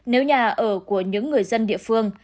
nếu nhà ở của những người dân địa phương